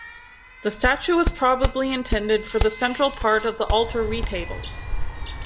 The statue was probably intended for the central part of the altar retable.